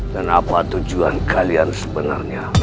dan apa tujuan kalian sebenarnya